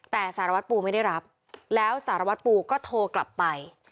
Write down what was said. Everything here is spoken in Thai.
แต่สารวัตรปูไม่ได้รับแล้วสารวัตรปูก็โทรกลับไป